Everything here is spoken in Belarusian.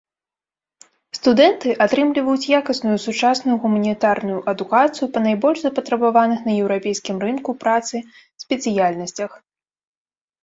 Студэнты атрымліваюць якасную сучасную гуманітарную адукацыю па найбольш запатрабаваных на еўрапейскім рынку працы спецыяльнасцях.